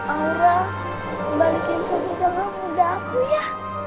aura balikin sabun tangan muda aku ya